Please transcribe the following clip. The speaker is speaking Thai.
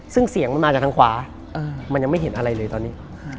ซึ่งเสียงมันมาจากทางขวามันยังไม่เห็นอะไรเลยตอนนี้